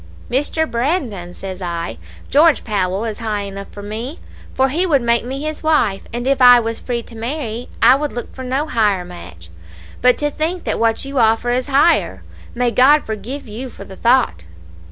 "'Mr. Brandon,' says I, 'George Powell is high enough for me, for he would make me his wife; and if I was free to marry, I would look for no higher match. But to think that what you offer is higher! May God forgive you for the thought!'